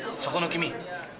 そこの君！